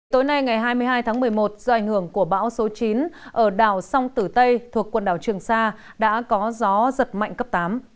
tối nay ngày hai mươi hai tháng một mươi một do ảnh hưởng của bão số chín ở đảo sông tử tây thuộc quần đảo trường sa đã có gió giật mạnh cấp tám